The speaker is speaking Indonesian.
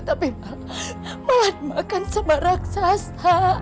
tapi malah malah makan sama raksasa